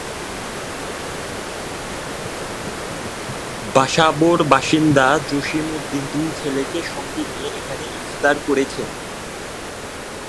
বাসাবোর বাসিন্দা জসিম উদ্দিন দুই ছেলেকে সঙ্গে নিয়ে এখানে ইফতার করেছেন।